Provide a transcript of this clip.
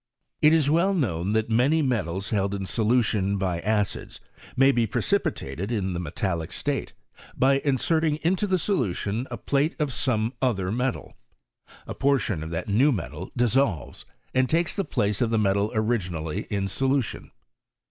It is well known that many metals held in solu n by acids may be precipitated in the metallic iBy by inserting into the solution a plate of some ler metal. A portion of that new metal dissolves, d takes the place of the metal originally in solu * n.